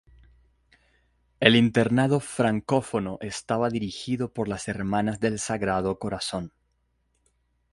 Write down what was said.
El internado francófono estaba dirigido por las Hermanas del Sagrado Corazón.